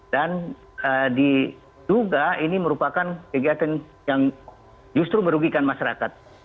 dan diduga ini merupakan kegiatan yang justru merugikan masyarakat